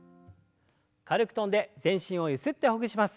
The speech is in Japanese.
軽く跳んで全身をゆすってほぐします。